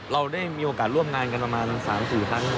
เราได้มีโอกาสร่วมงานกันประมาณ๓๔ครั้ง